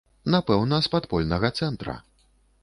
Напэўна, з падпольнага цэнтра.